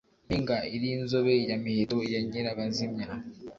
mpinga iri nzobe ya miheto ya nyirabazimya